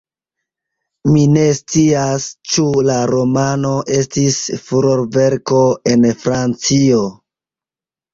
Mi ne scias, ĉu la romano estis furorverko en Francio.